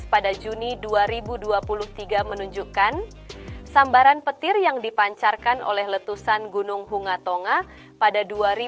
pada juni dua ribu dua puluh tiga menunjukkan sambaran petir yang dipancarkan oleh letusan gunung hungatonga pada dua ribu dua puluh